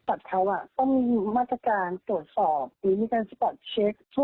สัตว์เท้าต้องมีมาตรการตรวจสอบมีการสัตว์เช็ค